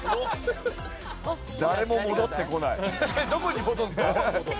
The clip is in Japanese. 誰も戻ってこない。